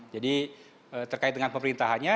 jadi terkait dengan pemerintahannya